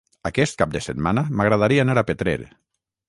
Aquest cap de setmana m'agradaria anar a Petrer.